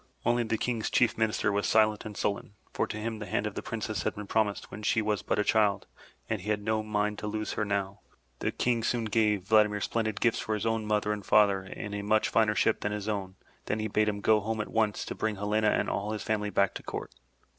Only the King's Chief Minister was silent and sullen, for to him the hand of the Princess had been promised when she was but a child and he had no mind to lose her now. The King soon gave Vladimir splendid gifts for his own mother and father and a much finer ship than his own, then he bade him go home at once to bring Helena and all his family back to court.